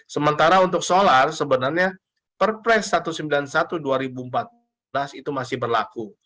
sementara untuk solar sebenarnya perpres satu ratus sembilan puluh satu dua ribu empat belas itu masih berlaku